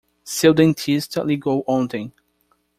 Seu dentista ligou ontem.